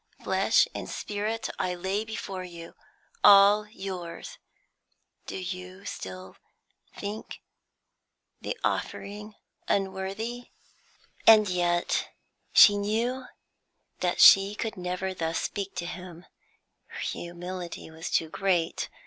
Flesh and spirit I lay before you all yours; do you still think the offering unworthy?" And yet she knew that she could never thus speak to him; her humility was too great.